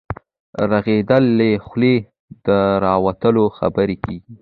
ږغيدل له خولې د راوتلو خبرو کيږي.